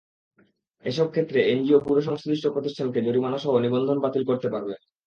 এসব ক্ষেত্রে NGO bureau সংশ্লিষ্ট প্রতিষ্ঠানকে জরিমানাসহ নিবন্ধন বাতিল করতে পারবে।